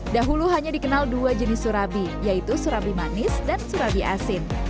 dahulu hanya dikenal dua jenis surabi yaitu surabi manis dan surabi asin